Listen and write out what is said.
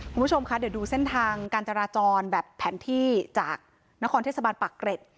คุณผู้ชมคะเดี๋ยวดูเส้นทางการจราจรแบบแผนที่จากนครเทศบาลปากเกร็ด